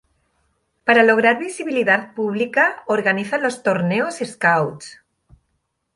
Para lograr visibilidad pública organiza los 'Torneos Scouts'.